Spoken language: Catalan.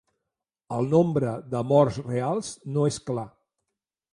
El nombre de morts reals no és clar.